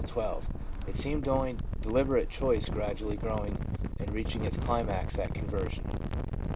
* It seemed only deliberate choice gradually growing and reaching its climax at con version.